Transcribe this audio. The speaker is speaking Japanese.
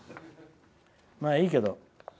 まあ、いいけど。